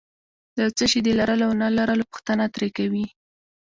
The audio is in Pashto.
د څه شي د لرلو او نه لرلو پوښتنه ترې کوي.